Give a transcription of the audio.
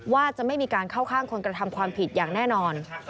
ว่าจะไม่มีการเข้าข้างคนกระทำความผิดอย่างแน่นอน